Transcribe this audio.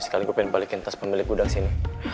sekali gue pengen balikin tas pemilik gudang sini